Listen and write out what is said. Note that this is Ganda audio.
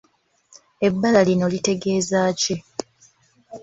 Ebbala lino litegeeza ki?